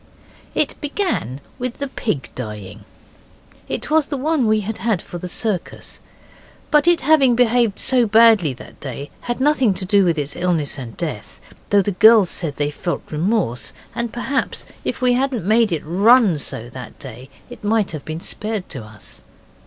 It began with the pig dying it was the one we had for the circus, but it having behaved so badly that day had nothing to do with its illness and death, though the girls said they felt remorse, and perhaps if we hadn't made it run so that day it might have been spared to us.